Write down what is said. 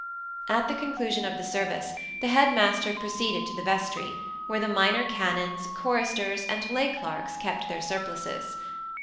At the conclusion of the service the head master proceeded to the vestry, where the minor canons, choristers, and lay clerks kept their surplices.